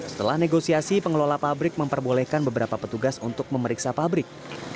setelah negosiasi pengelola pabrik memperbolehkan beberapa petugas untuk memeriksa pabrik